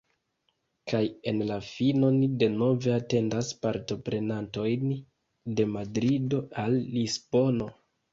Kaj en la fino ni denove atendas partoprenantojn de Madrido al Lisbono.